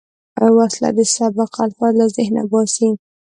وسله د سبق الفاظ له ذهنه باسي